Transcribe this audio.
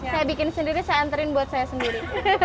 saya bikin sendiri saya anterin buat saya sendiri